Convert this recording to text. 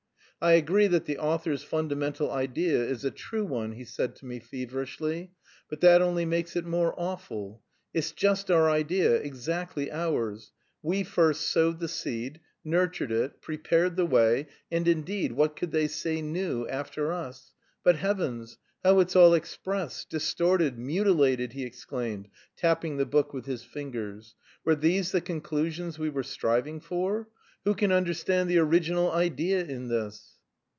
"I agree that the author's fundamental idea is a true one," he said to me feverishly, "but that only makes it more awful. It's just our idea, exactly ours; we first sowed the seed, nurtured it, prepared the way, and, indeed, what could they say new, after us? But, heavens! How it's all expressed, distorted, mutilated!" he exclaimed, tapping the book with his fingers. "Were these the conclusions we were striving for? Who can understand the original idea in this?"